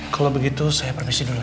kalau begitu saya permisi dulu